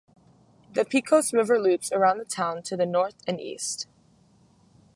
The Pecos River loops around the town to the north and east.